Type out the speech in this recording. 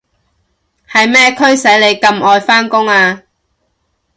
係咩驅使你咁愛返工啊？